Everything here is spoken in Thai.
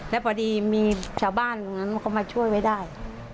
แล้วพอดีมีชาวบ้านตรงนั้นเขามาช่วยไว้ได้